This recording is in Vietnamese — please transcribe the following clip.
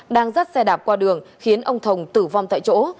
đang dắt xe đạp qua đường khiến ông thồng tử vong tại chỗ